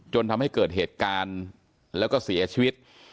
จนทำให้เกิดเหตุการณ์แล้วก็เสียชีวิต